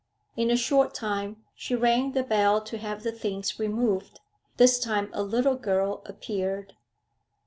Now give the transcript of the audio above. In a short time she rang the bell to have the things removed. This time a little girl appeared.